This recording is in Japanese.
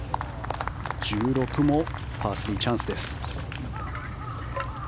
１６もパー３、チャンスです。